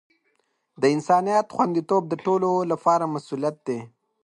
د انسانیت خوندیتوب د ټولو لپاره مسؤولیت دی.